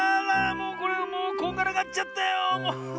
もうこれもうこんがらがっちゃったよ！